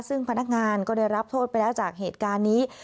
ซึ่งพนักงานก็ได้รับโทษไปแล้วจากเหตุการณ์นี้